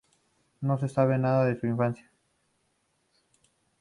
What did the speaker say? No se sabe nada de su infancia.